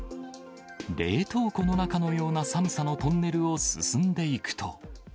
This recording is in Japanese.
冷凍庫の中のような寒さのトンネルを進んでいくと。